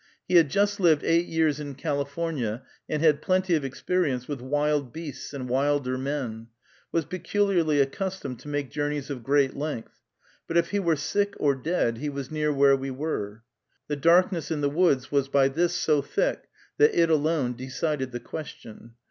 He had just lived eight years in California, and had plenty of experience with wild beasts and wilder men, was peculiarly accustomed to make journeys of great length; but if he were sick or dead, he was near where we were. The darkness in the woods was by this so thick that it alone decided the question.